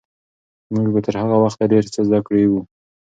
موږ به تر هغه وخته ډېر څه زده کړي وي.